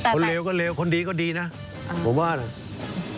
คนเลวก็เลวคนดีก็ดีนะผมว่าอย่างนำ